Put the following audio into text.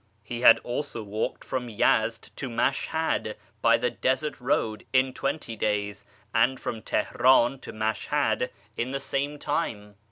He had also walked from Yezd to Mash lad by the desert road in twenty days, and from Teheran to tiashhad in the same time.